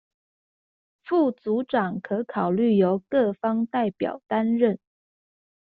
副組長可考慮由各方代表擔任